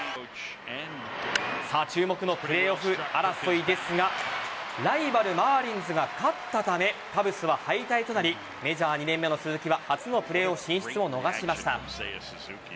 注目のプレーオフ争いですがライバル・マーリンズが勝ったため、カブスは敗退となりメジャー２年目の鈴木は初のプレーオフ進出を逃しました。